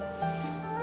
ya ma aku ngerti